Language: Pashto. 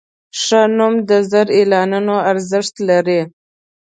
ښه نوم د زر اعلانونو ارزښت لري.